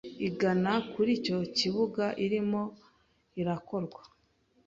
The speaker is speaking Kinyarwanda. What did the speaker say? igana kuri icyo kibuga irimo irakorwa